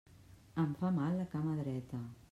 Em fa mal la cama dreta!